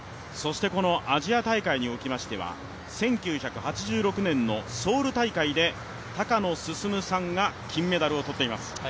アジア大会におきましては、１９８６年のソウル大会で高野進さんが金メダルを取っています。